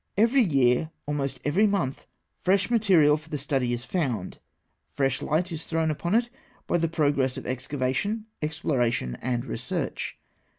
Every year, almost every month, fresh material for the study is found, fresh light is thrown upon it by the progress of excavation, exploration, and research.